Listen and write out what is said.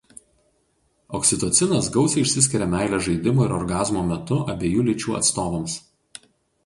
Oksitocinas gausiai išsiskiria meilės žaidimų ir orgazmo metu abiejų lyčių atstovams.